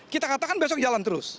kita katakan besok jalan terus